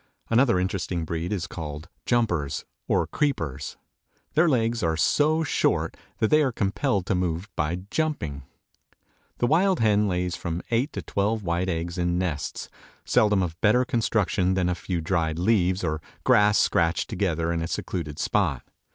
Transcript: Another interesting breed is called "Jumpers" or "Creepers." Their legs are so short that they are compelled to move by jumping. The wild hen lays from eight to twelve white eggs in nests, seldom of better construction than a few dried leaves or grass scratched together in a secluded spot.